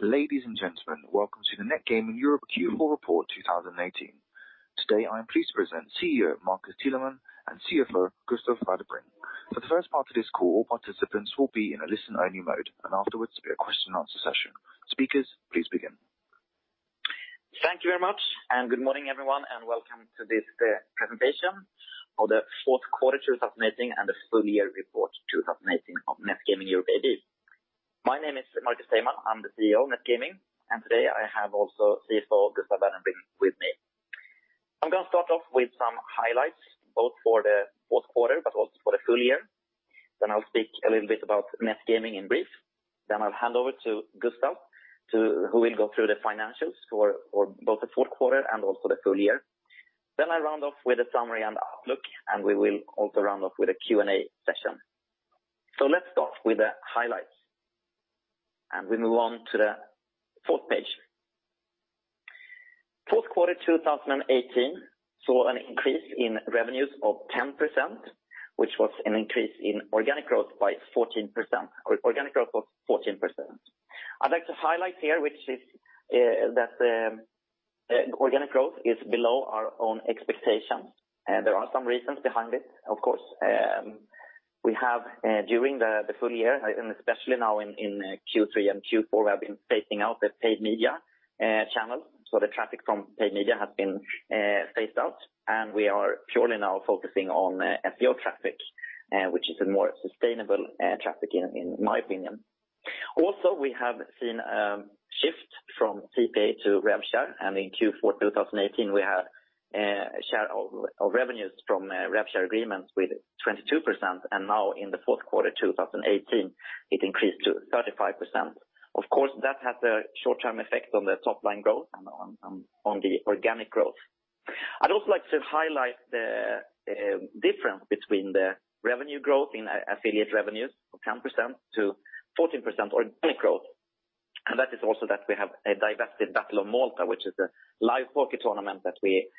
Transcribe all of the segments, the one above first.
Ladies and gentlemen, welcome to the Net Gaming Europe Q4 report 2018. Today, I am pleased to present CEO Marcus Teilman and CFO Gustav Vadenbring. For the first part of this call, all participants will be in a listen-only mode, and afterwards, there will be a question-and-answer session. Speakers, please begin. Thank you very much, and good morning everyone, and welcome to this presentation of the fourth quarter 2018 and the full year report 2018 of Net Gaming Europe AB. My name is Marcus Teilman. I'm the CEO of Net Gaming, and today I have also CFO Gustav Vadenbring with me. I'm going to start off with some highlights, both for the fourth quarter but also for the full year. Then I'll speak a little bit about Net Gaming in brief. Then I'll hand over to Gustav who will go through the financials for both the fourth quarter and also the full year. Then I'll round off with a summary and outlook, and we will also round off with a Q&A session. Let's start with the highlights, and we move on to the fourth page. Fourth quarter 2018 saw an increase in revenues of 10%, which was an increase in organic growth by 14%. Organic growth was 14%. I'd like to highlight here that organic growth is below our own expectations, and there are some reasons behind it, of course. We have, during the full year, and especially now in Q3 and Q4, we have been phasing out the paid media channels, so the traffic from paid media has been phased out, and we are purely now focusing on SEO traffic, which is a more sustainable traffic in my opinion. Also, we have seen a shift from CPA to RevShare, and in Q4 2018, we had a share of revenues from RevShare agreements with 22%, and now in the fourth quarter 2018, it increased to 35%. Of course, that has a short-term effect on the top-line growth and on the organic growth. I'd also like to highlight the difference between the revenue growth in affiliate revenues of 10%-14% organic growth, and that is also that we have a divested Battle of Malta, which is a live poker tournament that we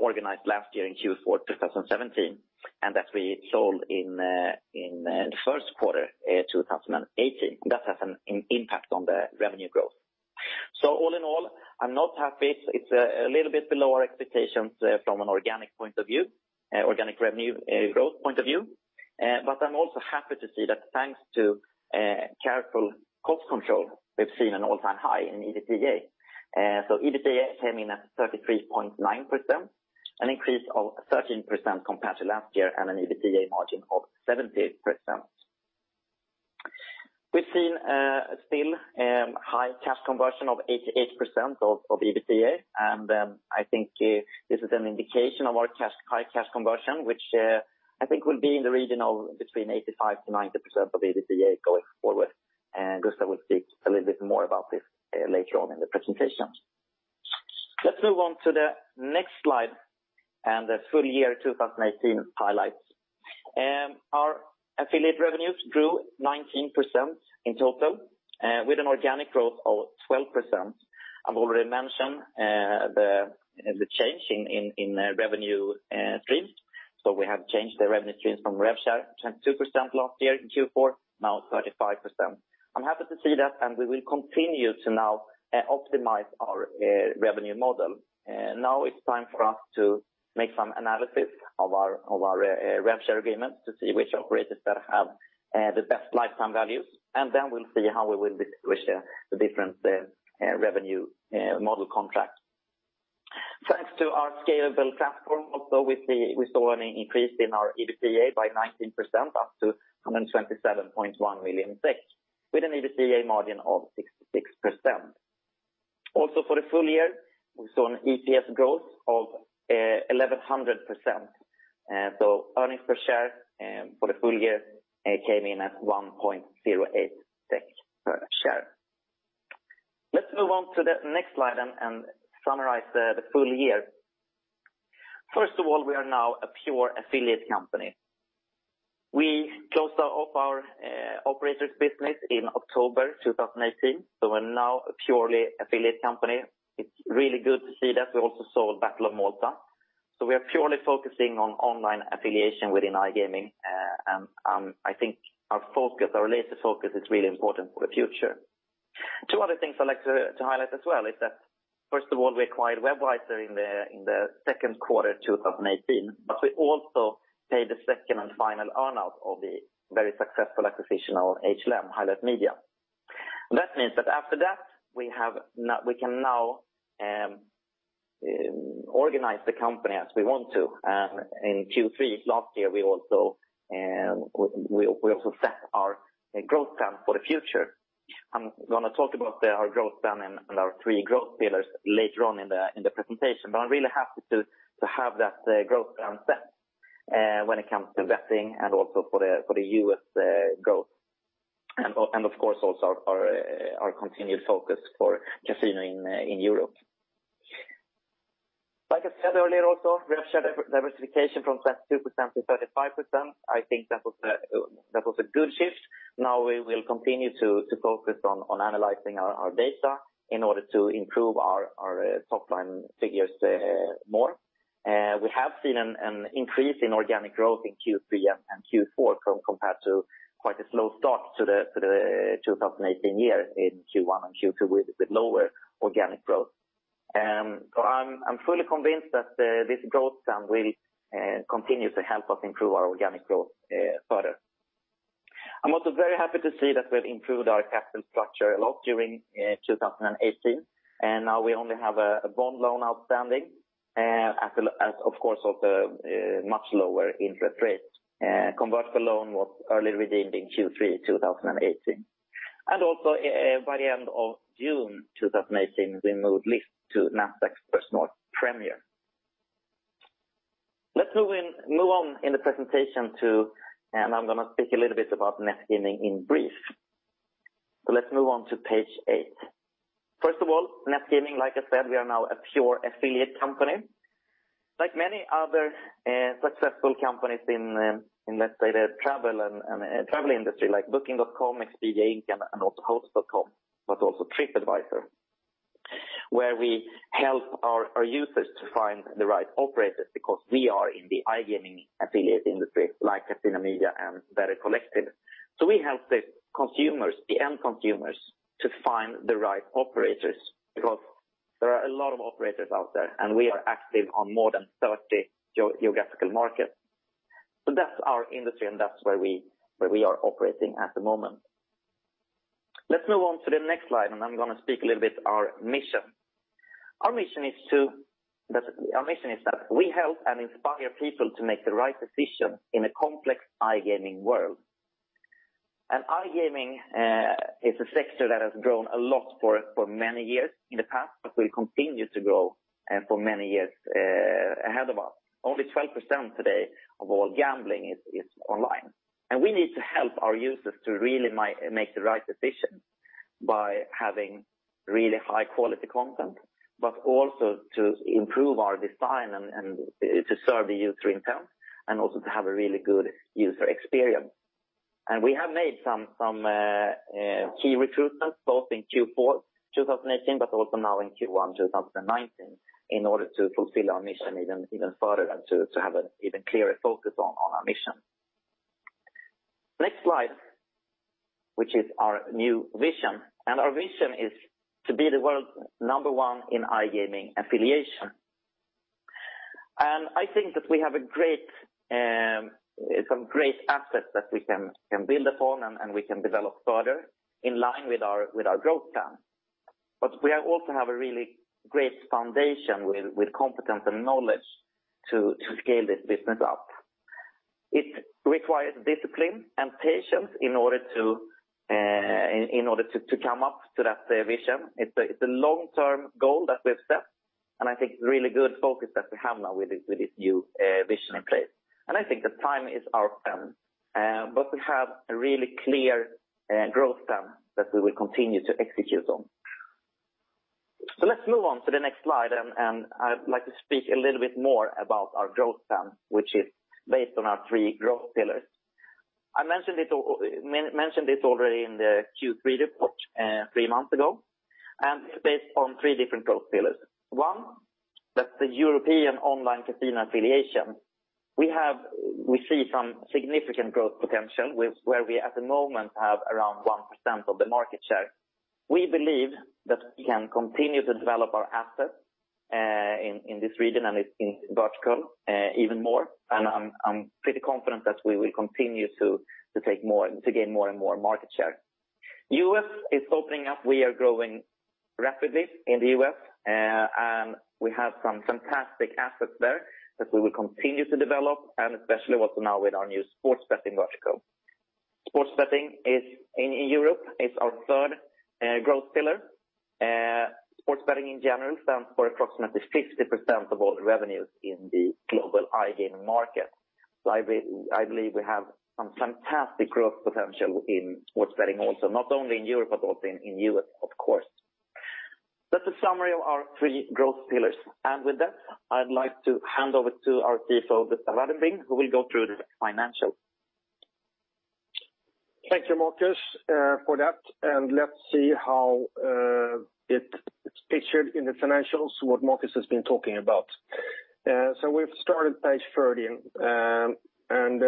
organized last year in Q4 2017, and that we sold in the first quarter 2018. That has an impact on the revenue growth. So all in all, I'm not happy. It's a little bit below our expectations from an organic point of view, organic revenue growth point of view, but I'm also happy to see that thanks to careful cost control, we've seen an all-time high in EBITDA. So EBITDA came in at 33.9%, an increase of 13% compared to last year, and an EBITDA margin of 70%. We've seen still high cash conversion of 88% of EBITDA, and I think this is an indication of our high cash conversion, which I think will be in the region of between 85%-90% of EBITDA going forward. Gustav will speak a little bit more about this later on in the presentation. Let's move on to the next slide and the full year 2018 highlights. Our affiliate revenues grew 19% in total, with an organic growth of 12%. I've already mentioned the change in revenue streams, so we have changed the revenue streams from RevShare 22% last year in Q4, now 35%. I'm happy to see that, and we will continue to now optimize our revenue model. Now it's time for us to make some analysis of our RevShare agreements to see which operators that have the best lifetime values, and then we'll see how we will distribute the different revenue model contracts. Thanks to our scalable platform, also we saw an increase in our EBITDA by 19% up to 127.1 million, with an EBITDA margin of 66%. Also, for the full year, we saw an EPS growth of 1,100%, so earnings per share for the full year came in at 1.08 SEK per share. Let's move on to the next slide and summarize the full year. First of all, we are now a pure affiliate company. We closed off our operators' business in October 2018, so we're now a purely affiliate company. It's really good to see that. We also sold Battle of Malta, so we are purely focusing on online affiliate within iGaming, and I think our focus, our latest focus, is really important for the future. Two other things I'd like to highlight as well is that, first of all, we acquired WebVisor in the second quarter 2018, but we also paid the second and final earnout of the very successful acquisition of HLM, Highlight Media. That means that after that, we can now organize the company as we want to, and in Q3 last year, we also set our growth plan for the future. I'm going to talk about our growth plan and our three growth pillars later on in the presentation, but I'm really happy to have that growth plan set when it comes to betting and also for the U.S. growth, and of course, also our continued focus for casino in Europe. Like I said earlier also, RevShare diversification from 22%-35%. I think that was a good shift. Now we will continue to focus on analyzing our data in order to improve our top-line figures more. We have seen an increase in organic growth in Q3 and Q4 compared to quite a slow start to the 2018 year in Q1 and Q2 with lower organic growth. I'm fully convinced that this growth plan will continue to help us improve our organic growth further. I'm also very happy to see that we've improved our capital structure a lot during 2018, and now we only have a bond loan outstanding, of course, also much lower interest rates. Convertible loan was redeemed early in Q3 2018, and also by the end of June 2018, we moved listing to Nasdaq First North Premier. Let's move on in the presentation, and I'm going to speak a little bit about Net Gaming in brief. So let's move on to page eight. First of all, Net Gaming, like I said, we are now a pure affiliate company. Like many other successful companies in, let's say, the travel industry like Booking.com, Expedia, Inc, and also Hotels.com, but also TripAdvisor, where we help our users to find the right operators because we are in the iGaming affiliate industry like Catena Media and Better Collective. So we help the end consumers to find the right operators because there are a lot of operators out there, and we are active on more than 30 geographical markets. So that's our industry, and that's where we are operating at the moment. Let's move on to the next slide, and I'm going to speak a little bit about our mission. Our mission is that we help and inspire people to make the right decision in a complex iGaming world. And iGaming is a sector that has grown a lot for many years in the past, but will continue to grow for many years ahead of us. Only 12% today of all gambling is online, and we need to help our users to really make the right decision by having really high-quality content, but also to improve our design and to serve the user intent, and also to have a really good user experience. And we have made some key recruitments both in Q4 2018 but also now in Q1 2019 in order to fulfill our mission even further and to have an even clearer focus on our mission. Next slide, which is our new vision, and our vision is to be the world's number one in iGaming affiliation. And I think that we have some great assets that we can build upon and we can develop further in line with our growth plan, but we also have a really great foundation with competence and knowledge to scale this business up. It requires discipline and patience in order to come up to that vision. It's a long-term goal that we've set, and I think it's a really good focus that we have now with this new vision in place. And I think that time is our friend, but we have a really clear growth plan that we will continue to execute on. So let's move on to the next slide, and I'd like to speak a little bit more about our growth plan, which is based on our three growth pillars. I mentioned it already in the Q3 report three months ago, and it's based on three different growth pillars. One, that's the European online casino affiliation. We see some significant growth potential where we at the moment have around 1% of the market share. We believe that we can continue to develop our assets in this region and in vertical even more, and I'm pretty confident that we will continue to gain more and more market share. U.S. is opening up. We are growing rapidly in the U.S., and we have some fantastic assets there that we will continue to develop, and especially also now with our new sports betting vertical. Sports betting in Europe is our third growth pillar. Sports betting in general stands for approximately 50% of all revenues in the global iGaming market. So I believe we have some fantastic growth potential in sports betting also, not only in Europe but also in the U.S., of course. That's a summary of our three growth pillars, and with that, I'd like to hand over to our CFO, Gustav Vadenbring, who will go through the financials. Thank you, Marcus, for that, and let's see how it's pictured in the financials what Marcus has been talking about. So we've started page 13, and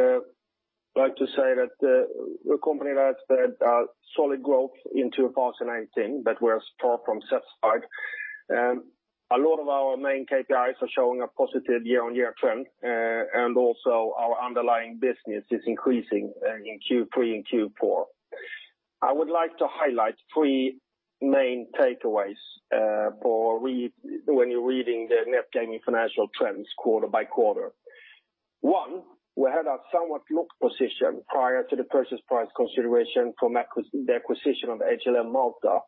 I'd like to say that we're a company that had solid growth in 2018, but we're far from satisfied. A lot of our main KPIs are showing a positive year-on-year trend, and also our underlying business is increasing in Q3 and Q4. I would like to highlight three main takeaways when you're reading the Net Gaming financial trends quarter-by-quarter. One, we had a somewhat locked position prior to the purchase price consideration for the acquisition of HLM Malta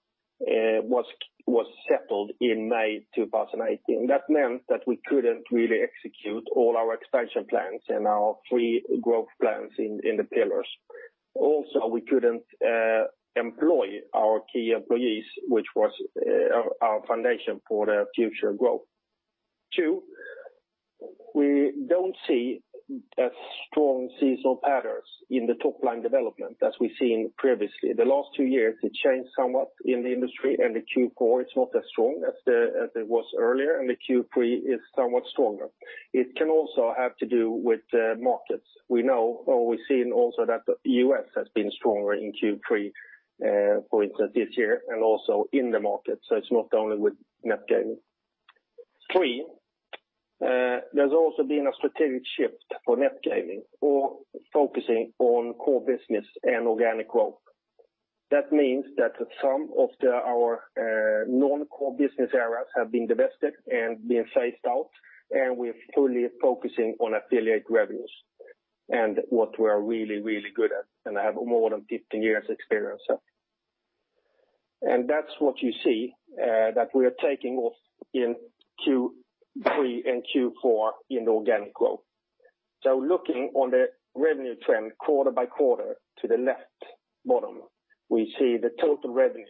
was settled in May 2018. That meant that we couldn't really execute all our expansion plans and our three growth plans in the pillars. Also, we couldn't employ our key employees, which was our foundation for the future growth. Two, we don't see as strong seasonal patterns in the top-line development as we've seen previously. The last two years, it changed somewhat in the industry, and in Q4, it's not as strong as it was earlier, and Q3 is somewhat stronger. It can also have to do with markets. We know or we've seen also that the U.S. has been stronger in Q3, for instance, this year, and also in the markets, so it's not only with Net Gaming. Three, there's also been a strategic shift for Net Gaming or focusing on core business and organic growth. That means that some of our non-core business areas have been divested and been phased out, and we're fully focusing on affiliate revenues and what we are really, really good at, and I have more than 15 years' experience there. And that's what you see, that we are taking off in Q3 and Q4 in organic growth. So looking on the revenue trend quarter-by-quarter to the left bottom, we see the total revenues,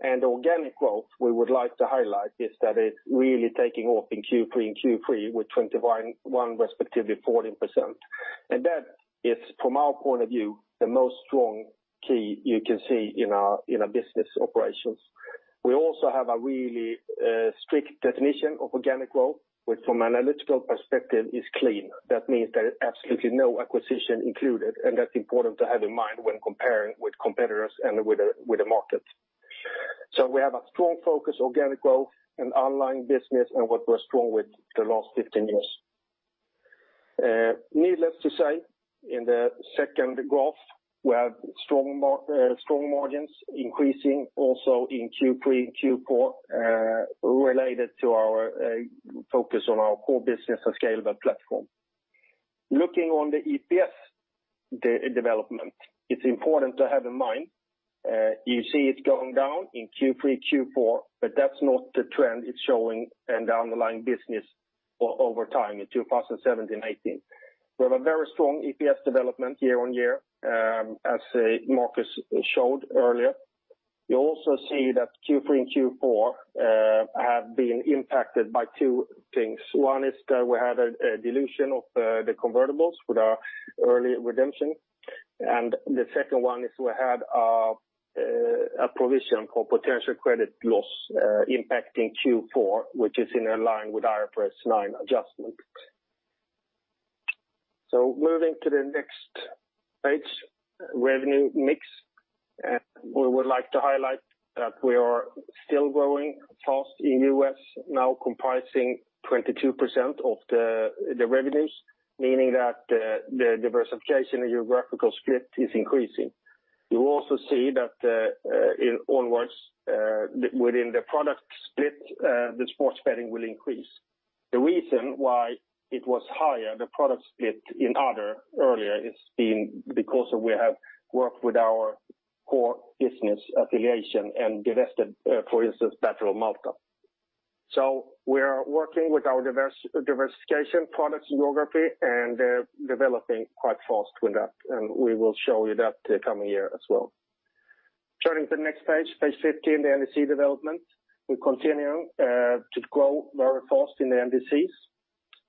and the organic growth we would like to highlight is that it's really taking off in Q3 and Q4 with 21%, respectively, 14%. And that is, from our point of view, the most strong key you can see in our business operations. We also have a really strict definition of organic growth, which from an analytical perspective is clean. That means there is absolutely no acquisition included, and that's important to have in mind when comparing with competitors and with the market. So we have a strong focus on organic growth and online business and what we're strong with the last 15 years. Needless to say, in the second graph, we have strong margins increasing also in Q3 and Q4 related to our focus on our core business and scalable platform. Looking on the EPS development, it's important to have in mind you see it going down in Q3, Q4, but that's not the trend it's showing in the underlying business over time in 2017 and 2018. We have a very strong EPS development year-on-year, as Marcus showed earlier. You also see that Q3 and Q4 have been impacted by two things. One is that we had a dilution of the convertibles with our early redemption, and the second one is we had a provision for potential credit loss impacting Q4, which is in line with IFRS 9 adjustment. So moving to the next page, revenue mix, we would like to highlight that we are still growing fast in the U.S. now, comprising 22% of the revenues, meaning that the diversification and geographical split is increasing. You also see that onwards within the product split, the sports betting will increase. The reason why it was higher, the product split in other earlier, is because we have worked with our core business affiliate and divested, for instance, Battle of Malta. So we are working with our diversification products and geography and developing quite fast with that, and we will show you that coming year as well. Turning to the next page, page 15, the NDC development, we continue to grow very fast in the NDCs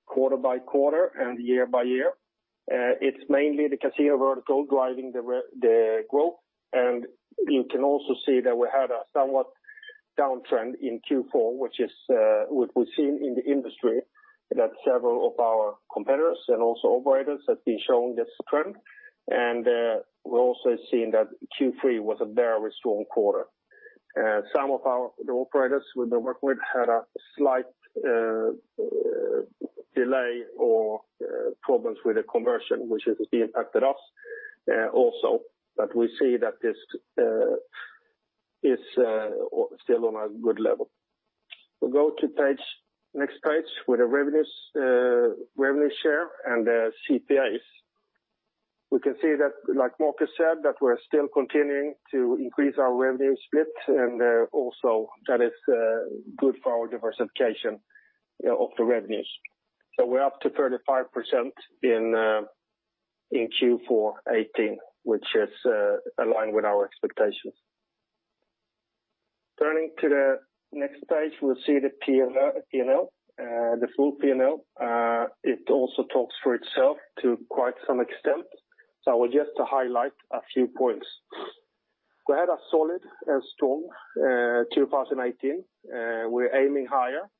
quarter-by-quarter and year-by-year. It's mainly the casino vertical driving the growth, and you can also see that we had a somewhat downtrend in Q4, which is what we've seen in the industry, that several of our competitors and also operators have been showing this trend, and we're also seeing that Q3 was a very strong quarter. Some of the operators we've been working with had a slight delay or problems with the conversion, which has impacted us also, but we see that this is still on a good level. We'll go to next page with the revenue share and the CPAs. We can see that, like Marcus said, that we're still continuing to increase our revenue split, and also that is good for our diversification of the revenues. So we're up to 35% in Q4 2018, which is aligned with our expectations. Turning to the next page, we'll see the P&L, the full P&L. It also talks for itself to quite some extent, so I would just highlight a few points. We had a solid and strong 2018. We're aiming higher,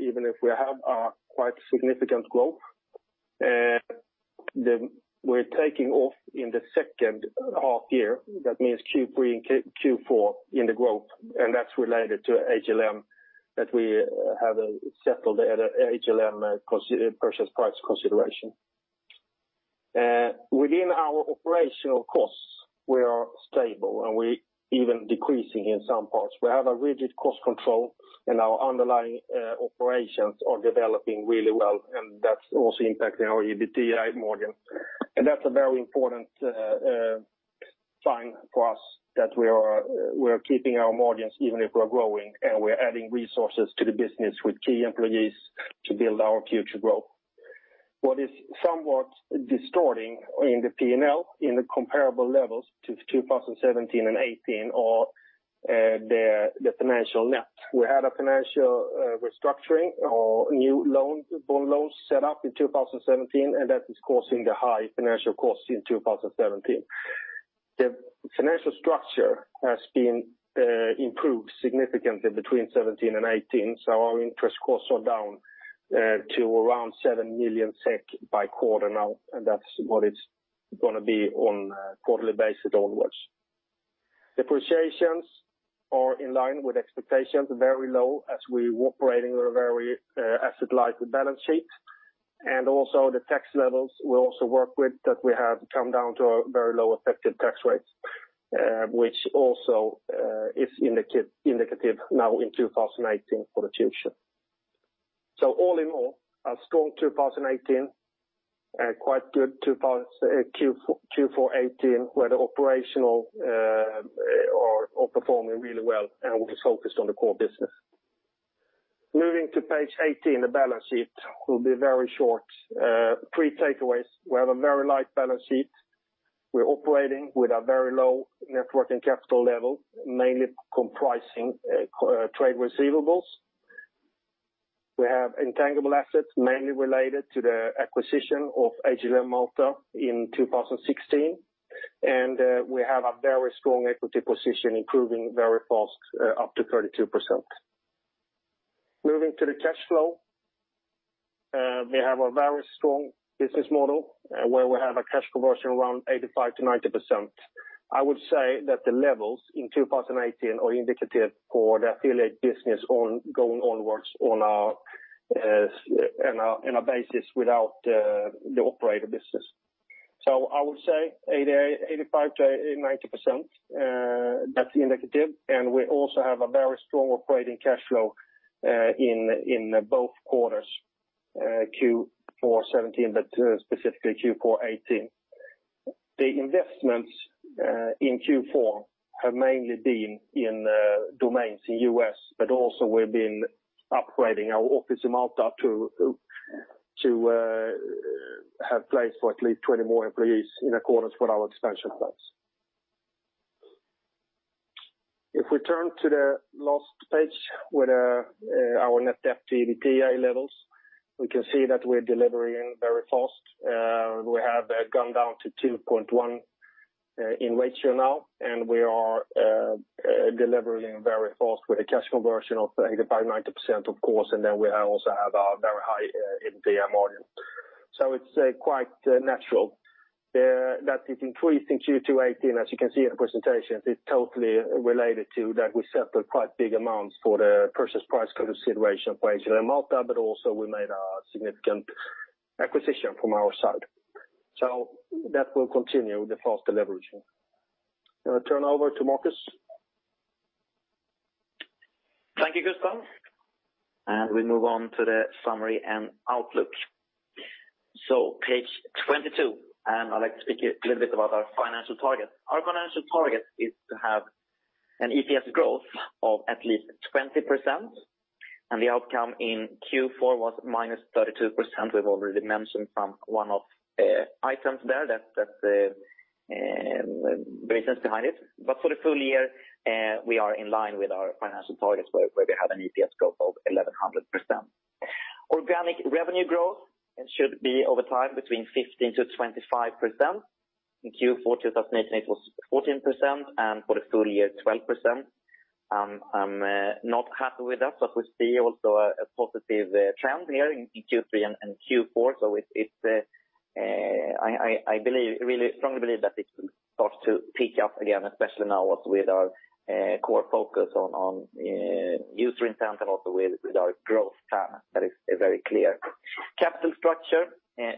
even if we have quite significant growth. We're taking off in the second half year. That means Q3 and Q4 in the growth, and that's related to HLM that we have settled the HLM purchase price consideration. Within our operational costs, we are stable, and we're even decreasing in some parts. We have a rigid cost control, and our underlying operations are developing really well, and that's also impacting our EBITDA margin, and that's a very important sign for us that we are keeping our margins even if we're growing, and we're adding resources to the business with key employees to build our future growth. What is somewhat distorting in the P&L in the comparable levels to 2017 and 2018 are the financial net. We had a financial restructuring or new loan set up in 2017, and that is causing the high financial costs in 2017. The financial structure has been improved significantly between 2017 and 2018, so our interest costs are down to around 7 million SEK per quarter now, and that's what it's going to be on a quarterly basis onwards. Depreciations are in line with expectations, very low as we're operating with a very asset-light balance sheet, and also the tax levels we also work with that we have come down to a very low effective tax rate, which also is indicative now in 2018 for the future. So all in all, a strong 2018, quite good Q4 2018 where the operations are performing really well and we're focused on the core business. Moving to page 18, the balance sheet will be very short. Three takeaways. We have a very light balance sheet. We're operating with a very low net working capital level, mainly comprising trade receivables. We have intangible assets mainly related to the acquisition of HLM Malta in 2016, and we have a very strong equity position improving very fast up to 32%. Moving to the cash flow, we have a very strong business model where we have a cash conversion around 85%-90%. I would say that the levels in 2018 are indicative for the affiliate business going onwards on a basis without the operator business. So I would say 85%-90%, that's indicative, and we also have a very strong operating cash flow in both quarters, Q4 2017, but specifically Q4 2018. The investments in Q4 have mainly been in domains in the U.S., but also we've been upgrading our office in Malta to have a place for at least 20 more employees in accordance with our expansion plans. If we turn to the last page with our net debt to EBITDA levels, we can see that we're delivering very fast. We have gone down to 2.1 in ratio now, and we are delivering very fast with a cash conversion of 85%-90%, of course, and then we also have a very high EBITDA margin. So it's quite natural that it's increased in Q2 2018, as you can see in the presentation. It's totally related to that we settled quite big amounts for the purchase price consideration for HLM Malta, but also we made a significant acquisition from our side, so that will continue with the fast delivery. I'll turn over to Marcus. Thank you, Gustav. And we move on to the summary and outlook. So page 22, and I'd like to speak a little bit about our financial target. Our financial target is to have an EPS growth of at least 20%, and the outcome in Q4 was -32%. We've already mentioned some one-off items there that the reasons behind it. But for the full year, we are in line with our financial targets where we have an EPS growth of 1,100%. Organic revenue growth should be over time between 15%-25%. In Q4 2018, it was 14%, and for the full year, 12%. I'm not happy with that, but we see also a positive trend here in Q3 and Q4. So I believe, really strongly believe that it will start to pick up again, especially now with our core focus on user intent and also with our growth plan that is very clear. Capital structure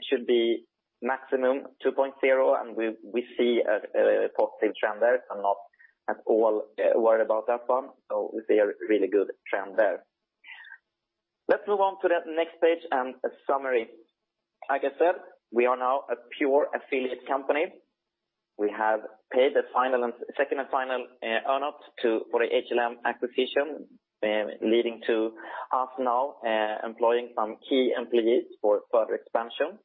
should be maximum 2.0, and we see a positive trend there. I'm not at all worried about that one, so we see a really good trend there. Let's move on to the next page and a summary. Like I said, we are now a pure affiliate company. We have paid the second and final earn-out for the HLM acquisition, leading to us now employing some key employees for further expansion.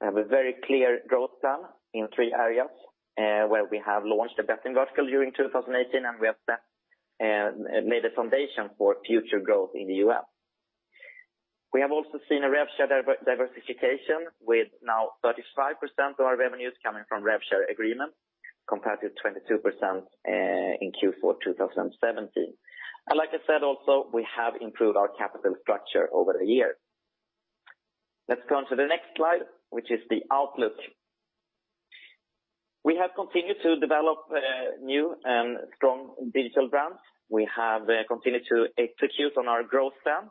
We have a very clear growth plan in three areas where we have launched the Betting Vertical during 2018, and we have made a foundation for future growth in the U.S. We have also seen a RevShare diversification with now 35% of our revenues coming from RevShare agreements compared to 22% in Q4 2017. And like I said, also, we have improved our capital structure over the year. Let's turn to the next slide, which is the outlook. We have continued to develop new and strong digital brands. We have continued to execute on our growth plan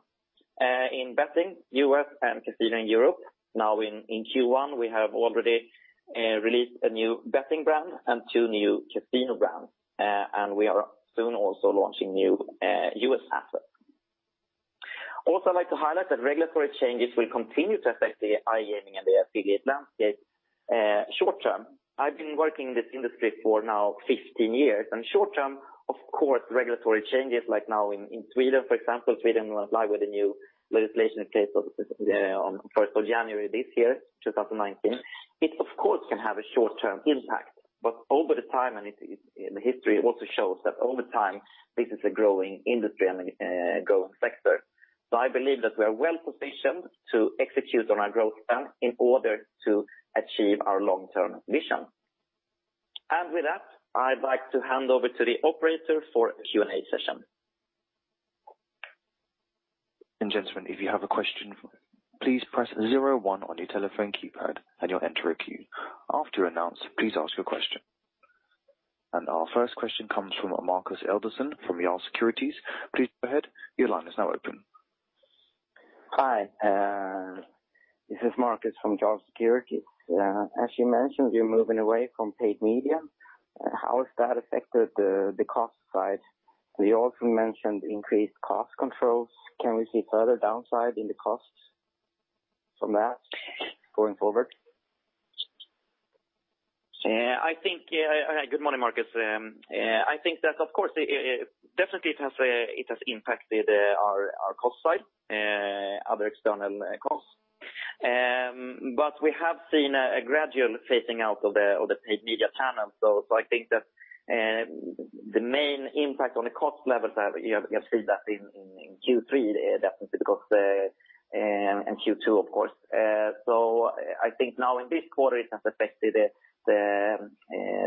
in betting U.S. and casino in Europe. Now in Q1, we have already released a new betting brand and two new casino brands, and we are soon also launching new U.S. assets. Also, I'd like to highlight that regulatory changes will continue to affect the iGaming and the affiliate landscape short term. I've been working in this industry for now 15 years, and short term, of course, regulatory changes like now in Sweden, for example, Sweden will apply with a new legislation in place on 1st of January this year, 2019. It, of course, can have a short-term impact, but over the time, and the history also shows that over time, this is a growing industry and a growing sector. So I believe that we are well positioned to execute on our growth plan in order to achieve our long-term vision. And with that, I'd like to hand over to the operator for a Q&A session. Gentlemen, if you have a question, please press 01 on your telephone keypad and you'll enter a queue. After you're announced, please ask your question. Our first question comes from Markus Augustsson from Jarl Securities. Please go ahead. Your line is now open. Hi, this is Markus from Jarl Securities. As you mentioned, you're moving away from paid media. How has that affected the cost side? You also mentioned increased cost controls. Can we see further downside in the costs from that going forward? Yeah, good morning, Marcus. I think that, of course, definitely it has impacted our cost side, other external costs. But we have seen a gradual phasing out of the paid media channel. So I think that the main impact on the cost levels that you have seen that in Q3 definitely because in Q2, of course. So I think now in this quarter, it has affected the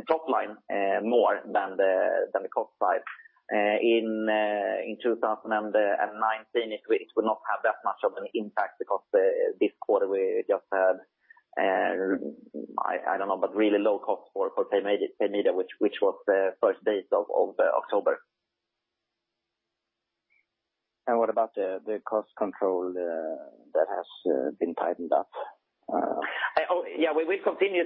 top line more than the cost side. In 2019, it will not have that much of an impact because this quarter we just had, I don't know, but really low cost for paid media, which was the first half of October. What about the cost control that has been tightened up? Yeah, we will continue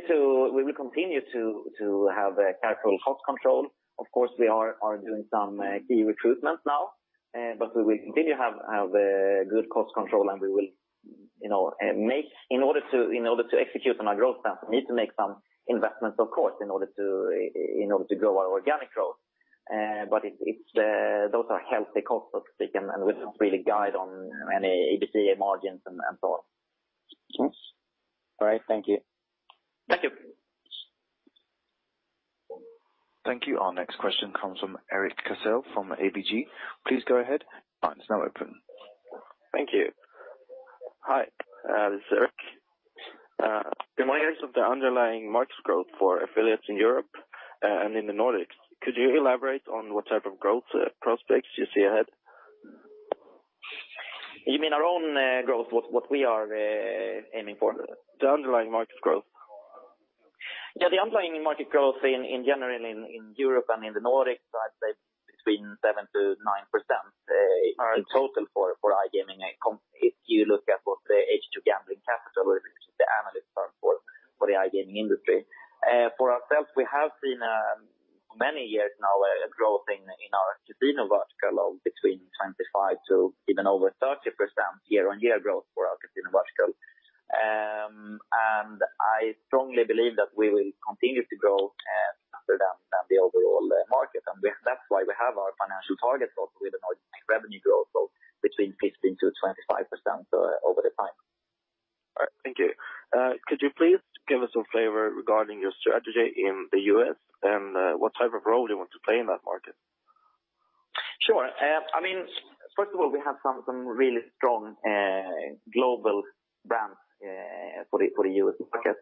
to have careful cost control. Of course, we are doing some key recruitment now, but we will continue to have good cost control, and we will make, in order to execute on our growth plan, we need to make some investments, of course, in order to grow our organic growth. But those are healthy costs that we can really guide on any EBITDA margins and so on. All right, thank you. Thank you. Thank you. Our next question comes from Erik Cassel from ABG. Please go ahead. Line is now open. Thank you. Hi, this is Erik. Good morning, Erik. The underlying market growth for affiliates in Europe and in the Nordics. Could you elaborate on what type of growth prospects you see ahead? You mean our own growth, what we are aiming for? The underlying market growth. Yeah, the underlying market growth in general in Europe and in the Nordics, I'd say between 7%-9% in total for iGaming if you look at what the H2 Gambling Capital is, which is the analyst term for the iGaming industry. For ourselves, we have seen many years now a growth in our casino vertical of between 25% to even over 30% year-on-year growth for our casino vertical. And I strongly believe that we will continue to grow faster than the overall market. And that's why we have our financial targets also with the Nordic revenue growth of between 15%-25% over the time. All right, thank you. Could you please give us a flavor regarding your strategy in the U.S. and what type of role you want to play in that market? Sure. I mean, first of all, we have some really strong global brands for the U.S. market,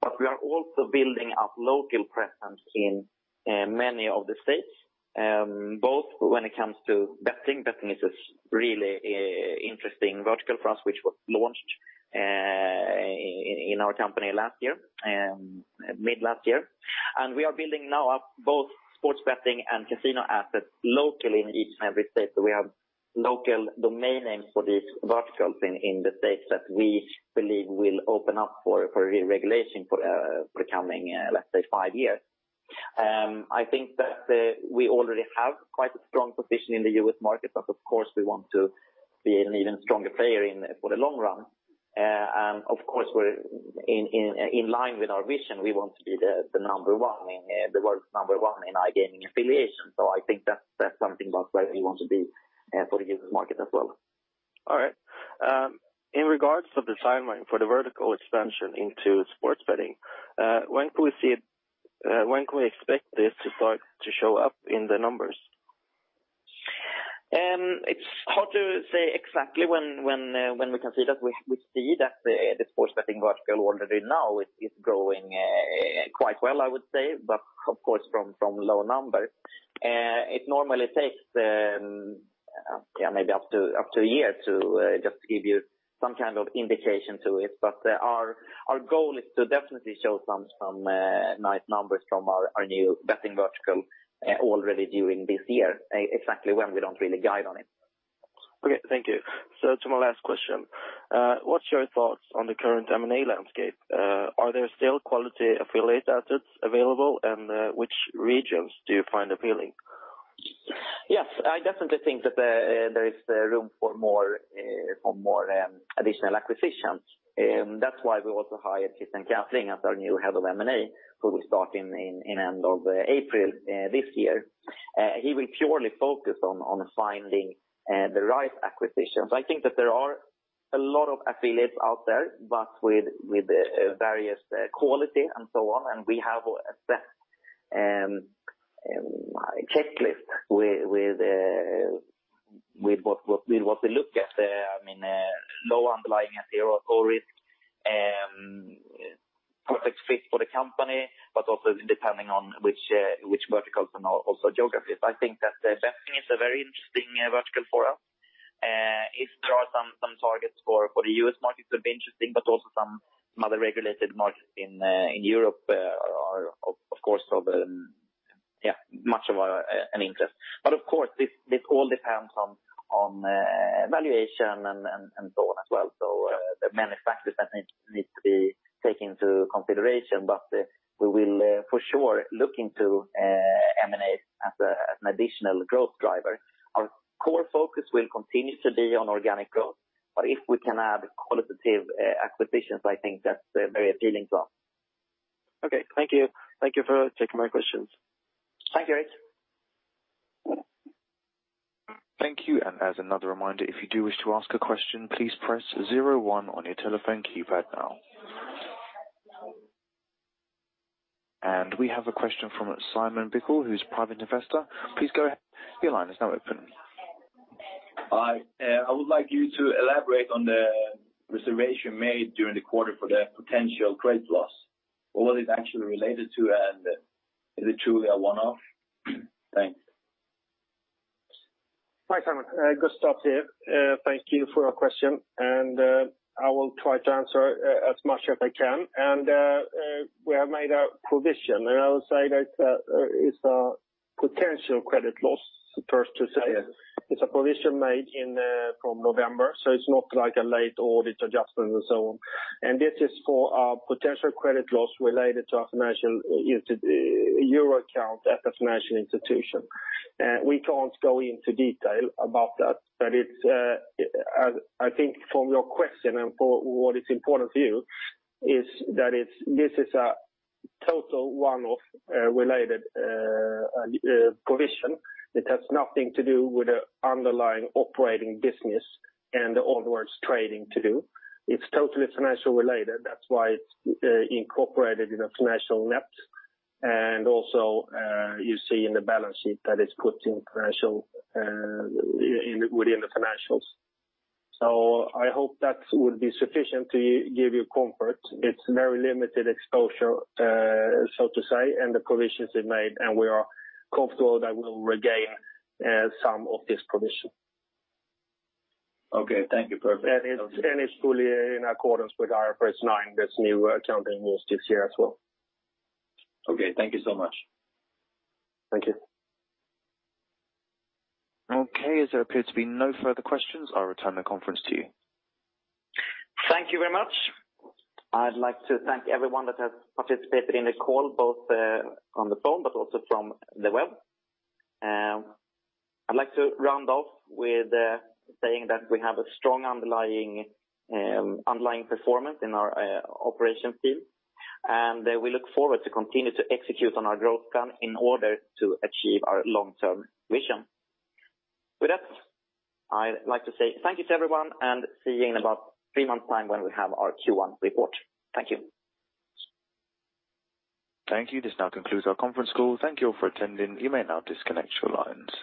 but we are also building up local presence in many of the states, both when it comes to betting. Betting is a really interesting vertical for us, which was launched in our company last year, mid-last year. And we are building now up both sports betting and casino assets locally in each and every state. So we have local domain names for these verticals in the states that we believe will open up for re-regulation for the coming, let's say, five years. I think that we already have quite a strong position in the U.S. market, but of course, we want to be an even stronger player for the long run. And of course, in line with our vision, we want to be the number one, the world's number one in iGaming affiliation. I think that's something about where we want to be for the U.S. market as well. All right. In regards to the timeline for the vertical expansion into sports betting, when can we see it? When can we expect this to start to show up in the numbers? It's hard to say exactly when we can see that. We see that the sports betting vertical already now is growing quite well, I would say, but of course, from low numbers. It normally takes, yeah, maybe up to a year to just give you some kind of indication to it. But our goal is to definitely show some nice numbers from our new betting vertical already during this year, exactly when we don't really guide on it. Okay, thank you. So to my last question, what's your thoughts on the current M&A landscape? Are there still quality affiliate assets available, and which regions do you find appealing? Yes, I definitely think that there is room for more additional acquisitions. That's why we also hired Christian Käthling as our new head of M&A, who starts in the end of April this year. He will purely focus on finding the right acquisitions. I think that there are a lot of affiliates out there, but with various quality and so on. And we have a set checklist with what we look at. I mean, low underlying SEO or risk, perfect fit for the company, but also depending on which verticals and also geographies. I think that betting is a very interesting vertical for us. If there are some targets for the U.S. market, it would be interesting, but also some other regulated markets in Europe are, of course, of much interest. But of course, this all depends on valuation and so on as well. There are many factors that need to be taken into consideration, but we will for sure look into M&A as an additional growth driver. Our core focus will continue to be on organic growth, but if we can add qualitative acquisitions, I think that's very appealing to us. Okay, thank you. Thank you for taking my questions. Thank you, Erik. Thank you. And as another reminder, if you do wish to ask a question, please press zero one on your telephone keypad now. And we have a question from Simon Volkov, who's a private investor. Please go ahead. Your line is now open. Hi. I would like you to elaborate on the provision made during the quarter for the potential credit loss. What was it actually related to, and is it truly a one-off? Thanks. Hi, Simon. Gustav here. Thank you for your question, and I will try to answer as much as I can. And we have made a provision, and I will say that it's a potential credit loss, first to say. It's a provision made from November, so it's not like a late audit adjustment and so on. And this is for our potential credit loss related to our financial euro account at the financial institution. We can't go into detail about that, but I think from your question and for what is important for you is that this is a total one-off related provision. It has nothing to do with the underlying operating business and the onwards trading to do. It's totally financial related. That's why it's incorporated in the financial nets. And also, you see in the balance sheet that it's put in within the financials. So I hope that would be sufficient to give you comfort. It's very limited exposure, so to say, and the provisions have made, and we are comfortable that we'll regain some of this provision. Okay, thank you. Perfect. It's fully in accordance with our IFRS 9, this new accounting rules this year as well. Okay, thank you so much. Thank you. Okay, as there appear to be no further questions, I'll return the conference to you. Thank you very much. I'd like to thank everyone that has participated in the call, both on the phone but also from the web. I'd like to round off with saying that we have a strong underlying performance in our operation field, and we look forward to continue to execute on our growth plan in order to achieve our long-term vision. With that, I'd like to say thank you to everyone and see you in about three months' time when we have our Q1 report. Thank you. Thank you. This now concludes our conference call. Thank you all for attending. You may now disconnect your lines.